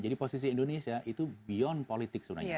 jadi posisi indonesia itu beyond politik sebenarnya